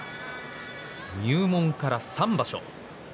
入門から３場所